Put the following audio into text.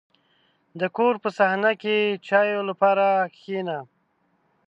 • د کور په صحنه کې د چایو لپاره کښېنه.